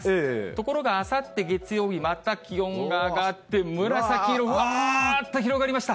ところがあさって月曜日、また気温が上がって紫色がばーっと広がりました。